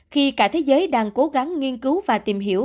khi cả thế giới đang cố gắng nghiên cứu và tìm hiểu